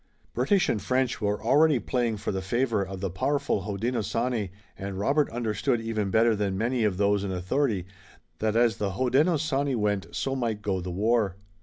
British and French were already playing for the favor of the powerful Hodenosaunee, and Robert understood even better than many of those in authority that as the Hodenosaunee went so might go the war.